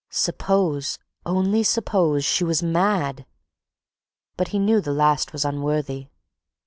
Suppose, only suppose, she was mad. But he knew the last was unworthy.